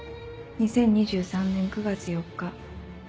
２０２３年９月４日。